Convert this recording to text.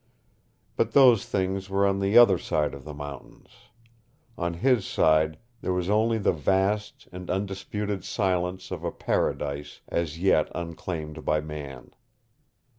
But those things were on the other side of the mountains. On his side there was only the vast and undisputed silence of a paradise as yet unclaimed by man.